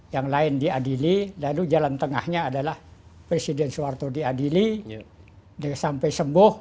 yang lain diadili lalu jalan tengahnya adalah presiden soeharto diadili sampai sembuh